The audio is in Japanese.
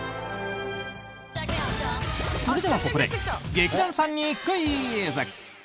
それではここで劇団さんにクイズ。